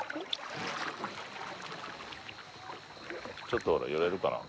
ちょっと寄れるかな？